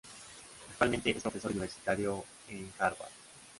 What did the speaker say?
Actualmente es profesor universitario en Harvard.